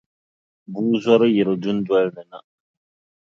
Bua zɔri yiri dundolini na.